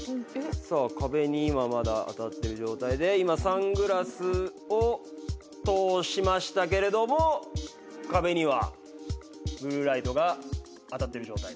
さあ壁に今まだ当たってる状態で今サングラスを通しましたけれども壁にはブルーライトが当たってる状態。